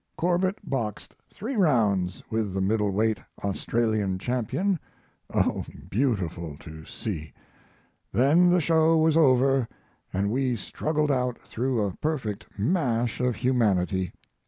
Corbett boxed 3 rounds with the middle weight Australian champion oh, beautiful to see! then the show was over and we struggled out through a perfect mash of humanity.